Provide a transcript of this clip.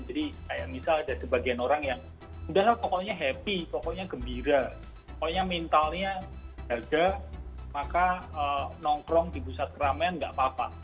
jadi kayak misal ada sebagian orang yang udah kokonya happy kokonya gembira pokonya mentalnya harga maka nongkrong di pusat keramaian nggak apa apa